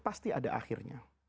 pasti ada akhirnya